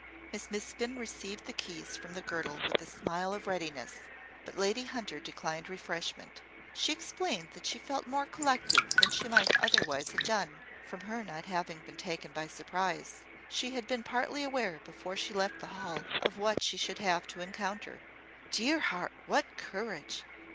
Miss Miskin received the keys from the girdle with a smile of readiness; but Lady Hunter declined refreshment. She explained that she felt more collected than she might otherwise have done, from her not having been taken by surprise. She had been partly aware, before she left the Hall, of what she should have to encounter. "Dear heart! what courage!"